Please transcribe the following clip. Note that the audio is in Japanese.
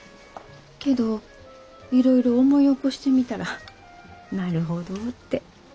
けどいろいろ思い起こしてみたらなるほどって。